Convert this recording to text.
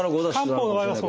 漢方の場合はそうです。